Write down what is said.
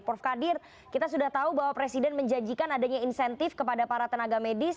prof kadir kita sudah tahu bahwa presiden menjanjikan adanya insentif kepada para tenaga medis